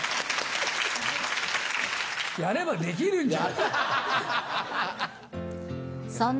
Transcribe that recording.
やればできるじゃん。